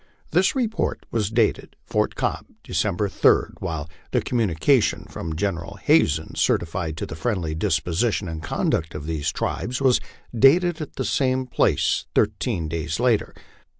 This report was dated Fort Cobb, December 3, while the communication from General Hazen, certifying to the friendly disposition and conduct of these tribes, was dated at the same place thirteen days later.